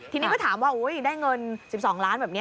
ทีนี้ก็ถามว่าได้เงิน๑๒ล้านแบบนี้